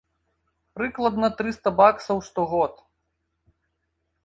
Прыкладна трыста баксаў штогод.